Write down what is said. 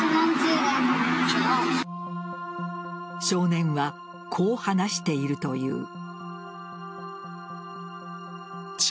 少年はこう話しているという。